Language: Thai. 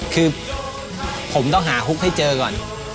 คือผมต้องหาฮุกให้เจอก่อน